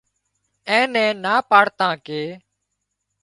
اين نين نا پاڙتان ڪي